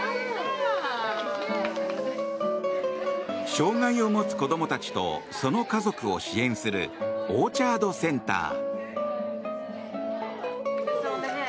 障害を持つ子供たちとその家族を支援するオーチャードセンター。